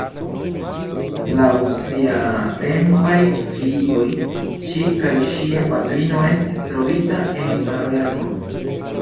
Laŭ siatempaj sciigoj, ŝi kaj ŝia patrino estis trovita en kaverno.